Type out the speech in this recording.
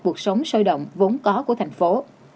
cuộc sống sôi động vốn có của thành phố